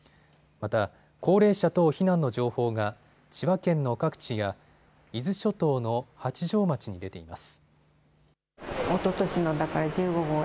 また高齢者等避難の情報が千葉県の各地や伊豆諸島の八丈町に出ています。